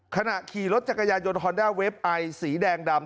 ขณะขี่รถจักรยายนฮอนด้าเวฟไอสีแดงดำ